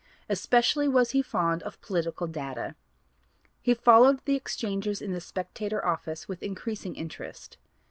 Especially was he fond of political data; he followed the exchanges in the Spectator office with increasing interest.